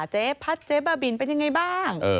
เจ๊พัดเจ๊บ้าบินเป็นยังไงบ้าง